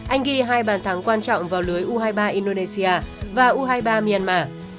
anh ghi hai bàn thắng quan trọng vào lưới u hai mươi ba indonesia và u hai mươi ba myanmar